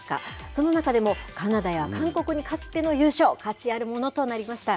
その中でもカナダや韓国に勝っての優勝、価値あるものとなりました。